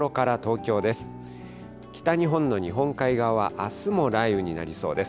北日本の日本海側、あすも雷雨になりそうです。